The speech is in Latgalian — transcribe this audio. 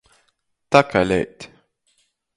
Takaleit.